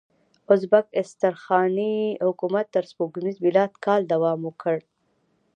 ازبک استرخاني حکومت تر سپوږمیز میلادي کاله دوام وکړ.